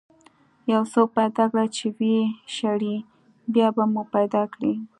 یو څوک پیدا کړه چې ويې شړي، بیا به مو پیدا کړي.